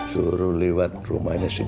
suruh liwat rumahnya si ina